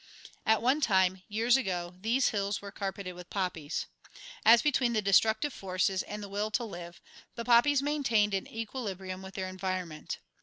At one time, years ago, these hills were carpeted with poppies. As between the destructive forces and the will "to live," the poppies maintained an equilibrium with their environment.